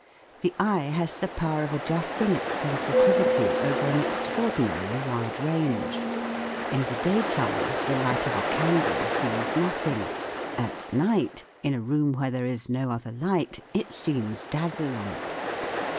The eye has the power of adjusting its sensitivity over an extraordinarily wide range : in the daytime the light of a candle seems nothing ; at night, in a room where there is no other light, it seems dazzling.